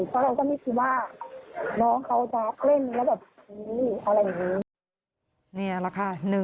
เพราะเราก็ไม่คิดว่าน้องเขาจะเล่นแล้วแบบนี้อะไรอย่างนี้